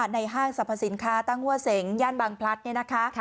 ในห้างสรรพสินค้าตั้งหัวเสงย่านบางพลัชค่ะ